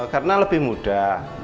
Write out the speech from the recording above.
karena lebih mudah